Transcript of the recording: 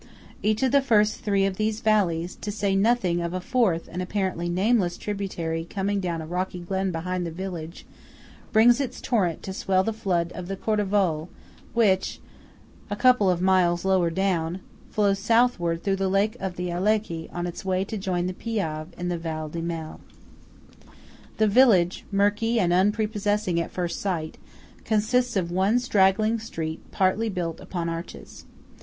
Each of the three first of these valleys (to say nothing of a fourth and apparently nameless tributary coming down a rocky glen behind the village) brings its torrent to swell the flood of the Cordevole which, a couple of miles lower down, flows southward through the lake of Alleghe on its way to join the Piave in the Val di Mel. The village, murky and unprepossessing at first sight, consists of one straggling street partly built upon arches.